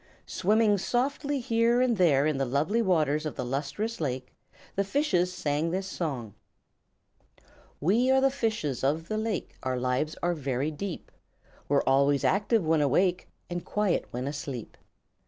Swimming softly here and there in the lovely waters of the Lustrous Lake, the fishes sang this song: "We are the fishes of the lake; Our lives are very deep; We're always active when awake And quiet when asleep.